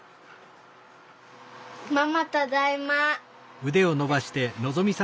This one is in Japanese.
ママただいま。